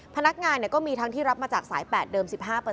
พนักงานก็มีทั้งที่รับมาจากสาย๘เดิม๑๕